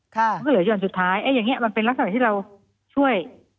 มันก็เหลือห่อนสุดท้ายอย่างนี้มันเป็นลักษณะที่เราช่วย